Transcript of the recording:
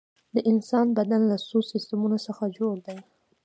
د انسان بدن له څو سیستمونو څخه جوړ دی